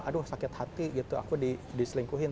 aduh sakit hati gitu aku diselingkuhin